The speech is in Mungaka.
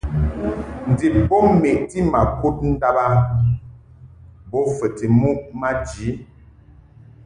Ndib bo meʼti ma kud ndàb a bo fəti muʼ maji.